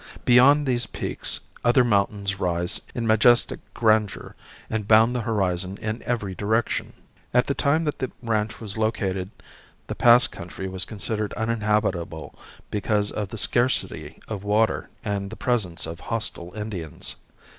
Beyond these peaks other mountains rise in majestic grandeur and bound the horizon in every direction. At the time that the ranch was located the Pass country was considered uninhabitable because of the scarcity of water and the presence of hostile Indians.